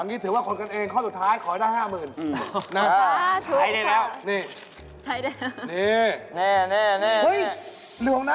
อันนี้ถือว่าคนกันเองข้อสุดท้ายขอได้ห้าหมื่น